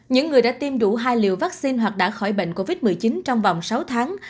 những người đã tiêm đủ hai liều vaccine hoặc đã khỏi bệnh covid một mươi chín trong vòng sáu tháng